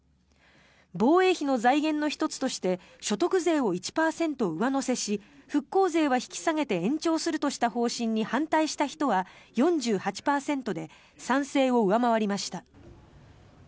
防衛費の財源の１つとして所得税を１％上乗せし復興税は引き下げて延長するとした方針に反対した人は４８％で賛成を上回りました。